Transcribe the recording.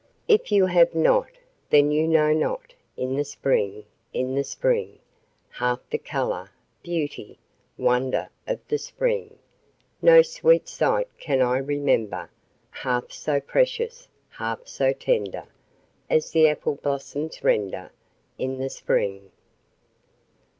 If you have not, then you know not, in the spring, In the spring, Half the colour, beauty, wonder of the spring, No sweet sight can I remember Half so precious, half so tender, As the apple blossoms render, In the spring.